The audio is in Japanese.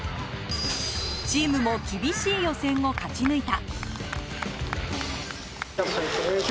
チームも厳しい予選を勝ち抜いた。